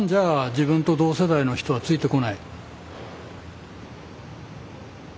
自分と同世代の人はついてこない。